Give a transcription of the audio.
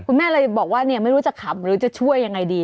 คุณแม่เลยบอกว่าเนี่ยไม่รู้จะขำหรือจะช่วยยังไงดี